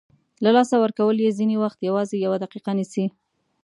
له لاسه ورکول یې ځینې وخت یوازې یوه دقیقه نیسي.